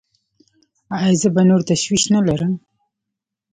ایا زه به نور تشویش نلرم؟